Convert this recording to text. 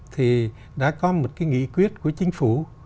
thì đã có một cái nghị quyết của chính phủ